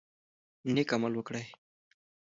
نیک عمل وکړئ.